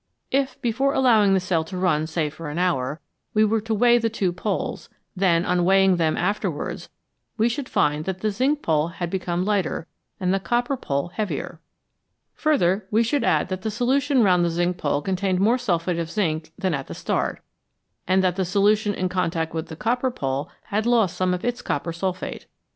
If, before allowing the cell to run, say for an hour, we were to weigh the two poles, then, on weighing them again afterwards, we should find that the zinc pole had become lighter, and the copper pole heavier. Further, we should find that the solution round the zinc pole contained more sulphate of zinc than at the start, and that the solution in contact with the copper pole had lost some of its copper sulphate.